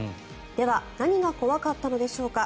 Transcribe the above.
では、何が怖かったのでしょうか。